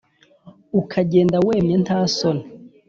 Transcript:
ukagenda wemye nta soni